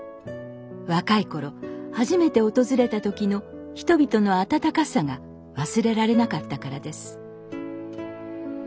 若い頃初めて訪れた時の人々の温かさが忘れられなかったからです